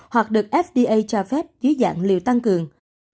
hoặc được fda cho phép dưới dạng liều tăng cường